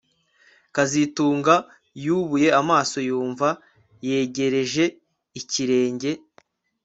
kazitunga yubuye amaso yumva yegereje ikirenge